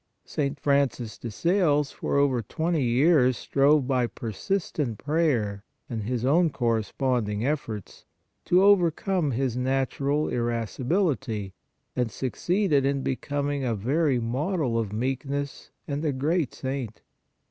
St. Francis de Sales for over twenty years strove by persistent prayer and his own corresponding efforts, to overcome his natural irascibility, and suc ceeded in becoming a very model of meekness and a great saint.